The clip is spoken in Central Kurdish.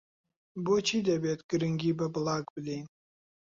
بۆچی دەبێت گرنگی بە بڵاگ بدەین؟